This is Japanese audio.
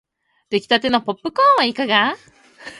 できたてのポップコーンはいかが